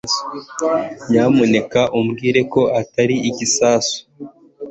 nyamuneka umbwire ko atari igisasu